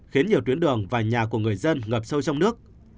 khiến nhiều tuyến đường và nhà của người dân ngập sâu trong nước